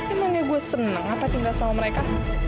emangnya gue senang apa tinggal sama mereka